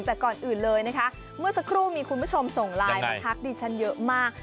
แต่ก่อนอื่นเลยนะคะเมื่อสักครู่มีคุณผู้ชมส่งไลน์มาทักดิฉันเยอะมาก